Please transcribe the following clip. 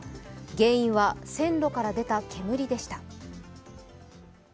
原因は線路から出た煙でした。